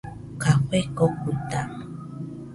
Café kokuita.